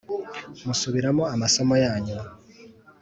musubiramo amasomo yanyu.